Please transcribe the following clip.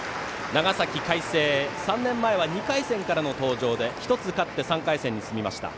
長崎・海星、３年前は２回戦からの登場で１つ勝って、３回戦に進みました。